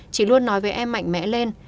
chị luôn nói với em mạnh mẽ lên